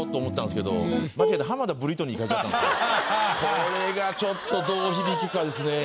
これがちょっとどう響くかですね。